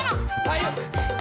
aduh aduh aduh aduh